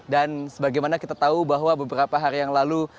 dan sebagaimana kita tahu bahwa beberapa hari yang lalu